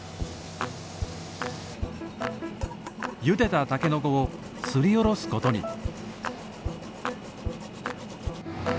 ゆでたタケノコをすりおろすことに。